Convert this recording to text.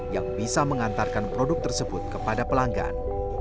yang bisa mengantarkan produk tersebut kepada pelanggan